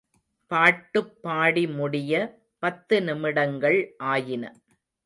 பாட்டுப் பாடி முடிய பத்து நிமிடங்கள் ஆயின.